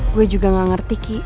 gue juga gak ngerti ki